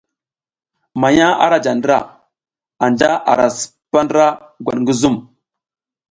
Manya ara ja ndra, anja ara sipaka ndra gwat ngi zum.